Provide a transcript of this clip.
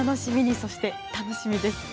そして、楽しみです。